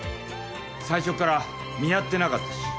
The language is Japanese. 最初っから見張ってなかったし。